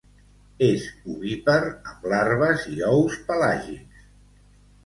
És ovípar, amb larves i ous pelàgics.